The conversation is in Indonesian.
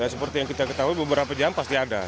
seperti yang kita ketahui beberapa jam pasti ada